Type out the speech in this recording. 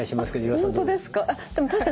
本当ですか。